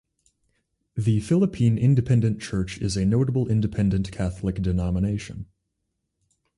The Philippine Independent Church is a notable independent Catholic denomination.